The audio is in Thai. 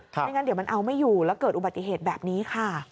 ไม่งั้นเดี๋ยวมันเอาไม่อยู่แล้วเกิดอุบัติเหตุแบบนี้ค่ะ